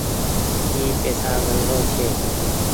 اي پئيسا گڻ رو ڇي۔